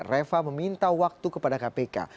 reva meminta waktu kepada kpk